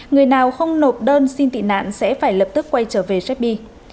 người nào không nộp đơn xin tị nạn sẽ phải lập tức quay trở về sydney